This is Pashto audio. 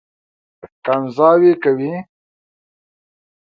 کنځاوې کوي.